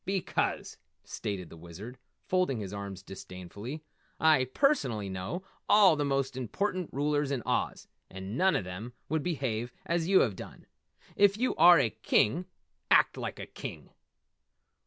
"Because," stated the Wizard, folding his arms disdainfully, "I personally know all the most important rulers in Oz, and none of them would behave as you have done. If you are a King, act like a King!"